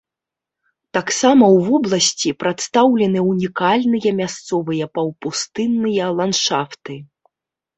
Таксама ў вобласці прадстаўлены ўнікальныя месяцавыя паўпустынныя ландшафты.